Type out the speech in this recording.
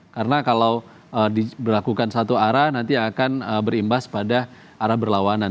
karena kalau diberlakukan satu arah nanti akan berimbas pada arah berlawanan